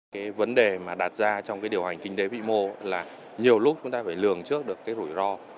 cái vấn đề mà đặt ra trong điều hành kinh tế bị mô là nhiều lúc chúng ta phải lường trước được rủi ro